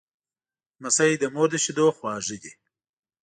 لمسی د مور د شیدو خواږه دی.